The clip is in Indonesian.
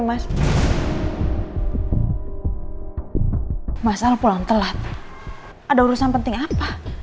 mas al pulang telat ada urusan penting apa